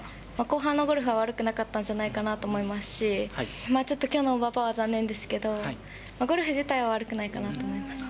後半のゴルフは悪くはなかったんじゃないかなと思いますし、ちょっときょうのオーバーパーは残念ですけど、ゴルフ自体は悪くないかなと思います。